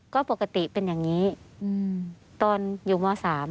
ก็ปกติเป็นอย่างนี้ตอนอยู่ม๓